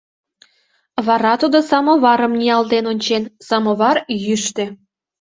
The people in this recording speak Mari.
Вара тудо самоварым ниялтен ончен — самовар йӱштӧ.